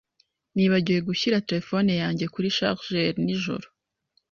Nibagiwe gushyira terefone yanjye kuri charger nijoro.